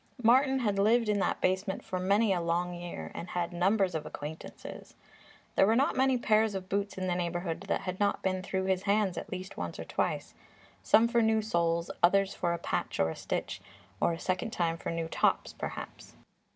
Martin had lived in that basement for many a long year and had numbers of acquaintances. There were not many pairs of boots in the neighbourhood that had not been through his hands at least once or twice some for new soles, others for a patch or a stitch, or a second time for new tops, perhaps.